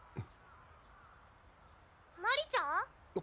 「マリちゃん？」